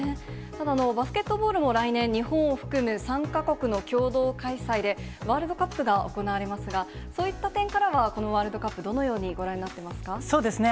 ただ、バスケットボールも来年、日本を含む３か国の共同開催で、ワールドカップが行われますが、そういった点からは、このワールドカップ、どのようにご覧になっていますか？